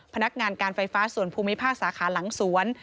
พนักงานการไฟฟ้าส่วนภูมิภาคสาขาหลังสวน